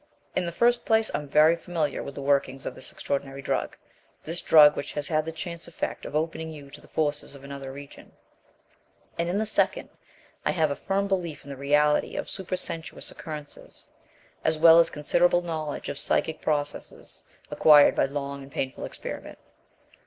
In the first place, I am very familiar with the workings of this extraordinary drug, this drug which has had the chance effect of opening you up to the forces of another region; and, in the second, I have a firm belief in the reality of super sensuous occurrences as well as considerable knowledge of psychic processes acquired by long and painful experiment.